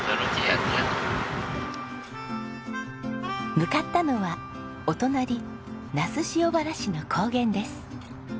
向かったのはお隣那須塩原市の高原です。